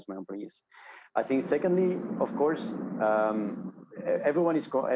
bagaimana saya bisa memberikan sesuatu